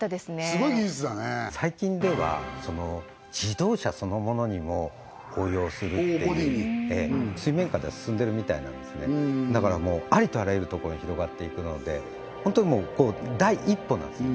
スゴい技術だね最近では自動車そのものにも応用するっていう水面下では進んでるみたいなんですねだからもうありとあらゆる所に広がっていくのでホントに第一歩なんです